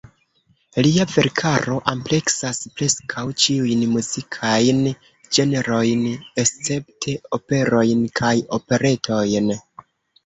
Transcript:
Lia verkaro ampleksas preskaŭ ĉiujn muzikajn ĝenrojn escepte operojn kaj operetojn.